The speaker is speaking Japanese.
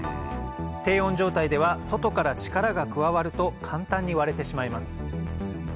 低温状態では外から力が加わると簡単に割れてしまいます